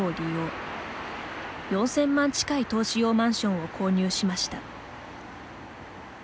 ４０００万近い投資用マンションを購入しました。